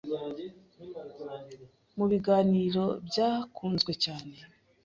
mu biganiro byakunzwe cyane